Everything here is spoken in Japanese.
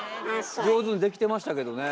上手にできてましたけどね。